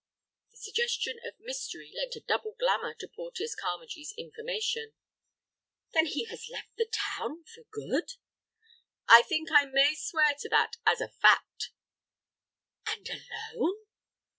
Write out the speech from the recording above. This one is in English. The suggestion of mystery lent a double glamour to Porteus Carmagee's information. "Then he has left the town for good?" "I think I may swear to that as a fact." "And alone?"